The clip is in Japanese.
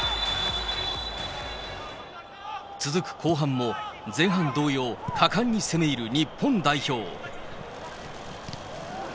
続く後半も、前半同様、果敢に攻め入る日本代表。